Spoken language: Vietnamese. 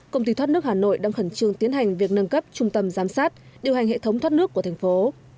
công ty thoát nước hà nội đang khẩn trương tiến hành việc nâng cấp trung tâm giám sát điều hành hệ thống thoát nước của thành phố